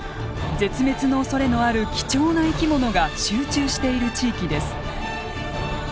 絶滅のおそれのある貴重な生き物が集中している地域です。